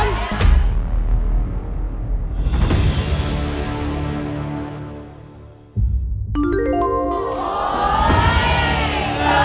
น้ำน้ำน้ำ